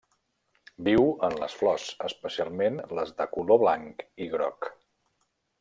Viu en les flors, especialment les de color blanc i groc.